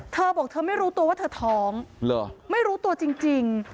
เธอบอกเธอไม่รู้ตัวว่าเธอท้องไม่รู้ตัวจริง